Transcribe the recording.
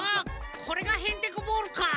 これがヘンテコボールかぁ。